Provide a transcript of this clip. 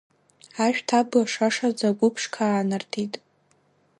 Ашәҭ абла шашаӡа, агәы ԥшқа аанартит.